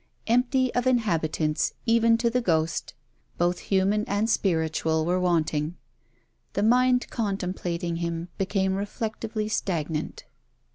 Empty of inhabitants even to the ghost! Both human and spiritual were wanting. The mind contemplating him became reflectively stagnant.